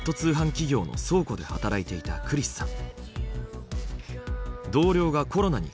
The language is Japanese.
企業の倉庫で働いていたクリスさん。